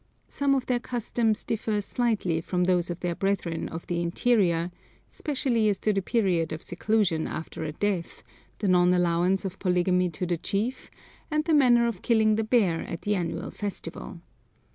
Some of their customs differ slightly from those of their brethren of the interior, specially as to the period of seclusion after a death, the non allowance of polygamy to the chief, and the manner of killing the bear at the annual festival.